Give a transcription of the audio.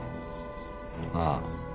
ああ。